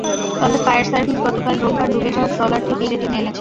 তবে fire service গতকাল রোববার ডুবে যাওয়া ট্রলারটি তীরে টেনে এনেছে।